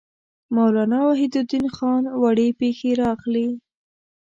مولانا وحیدالدین خان وړې پېښې را اخلي.